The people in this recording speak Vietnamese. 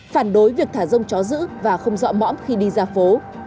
phản đối việc thả rông chó giữ và không dọa mõm khi đi ra phố